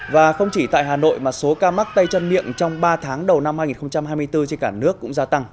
và không chỉ tại hà nội mà số ca mắc tay chân miệng trong ba tháng đầu năm hai nghìn hai mươi bốn trên cả nước cũng gia tăng